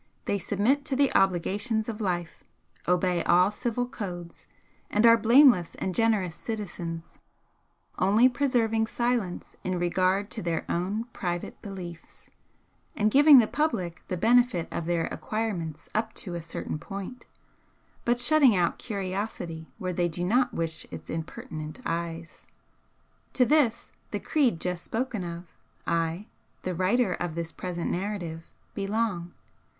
They submit to the obligations of life, obey all civil codes, and are blameless and generous citizens, only preserving silence in regard to their own private beliefs, and giving the public the benefit of their acquirements up to a certain point, but shutting out curiosity where they do not wish its impertinent eyes. To this, the creed just spoken of, I, the writer of this present narrative, belong.